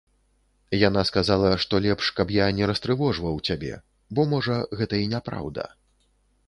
Яна сказала, што лепш, каб я не растрывожваў цябе, бо, можа, гэта і няпраўда.